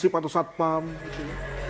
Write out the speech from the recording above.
berinteraksi dengan keluarga